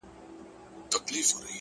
نن: سیاه پوسي ده”